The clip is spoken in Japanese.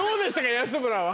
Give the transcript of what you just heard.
安村は。